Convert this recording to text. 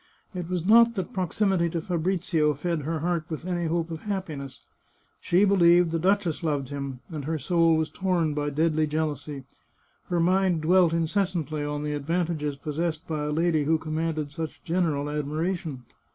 It was not that proximity to Fabrizio fed her heart with any hope of happiness. She believed the duchess loved him, and her soul was torn by deadly jealousy. Her mind dwelt incessantly on the advantages possessed by a lady who com manded such general admiration.